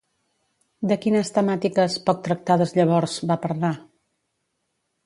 De quines temàtiques, poc tractades llavors, va parlar?